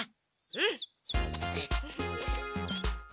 うん！